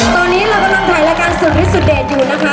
ตอนนี้เรากำลังถ่ายรายการสุดฤทธสุดเด็ดอยู่นะคะ